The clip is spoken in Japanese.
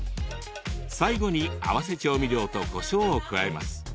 最後に合わせ調味料とこしょうを加えます。